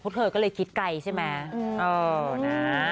เธอก็เลยคิดไกลใช่ไหม